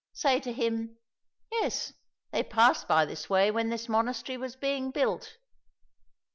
' say to him, ' Yes, they passed by this way when this monastery was being built.'